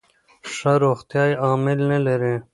ښه روغتیا یو عامل نه لري.